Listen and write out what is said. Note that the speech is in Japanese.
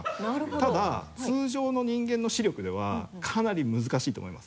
ただ通常の人間の視力ではかなり難しいと思います。